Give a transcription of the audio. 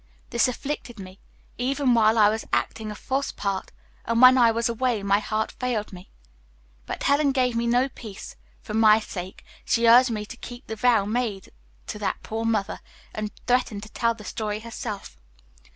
This afflicted me, even while I was acting a false part, and when I was away my heart failed me. But Helen gave me no peace; for my sake, she urged me to keep the vow made to that poor mother, and threatened to tell the story herself.